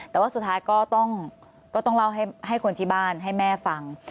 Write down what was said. แต่ว่าสุดท้ายก็ต้องเล่าให้คนที่บ้านให้แม่ฟัง